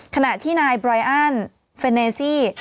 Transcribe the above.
ขณะที่นายบรอยอันเฟนเนซี่